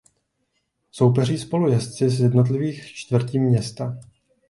Soupeří spolu jezdci z jednotlivých čtvrtí města.